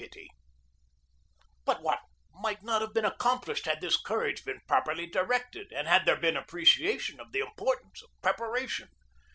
232 GEORGE DEWEY But what might not have been accomplished had this courage been properly directed and had there been appreciation of the importance of preparation